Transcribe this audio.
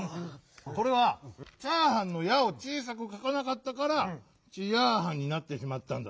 これは「チャーハン」の「ヤ」をちいさくかかなかったから「チヤーハン」になってしまったんだな。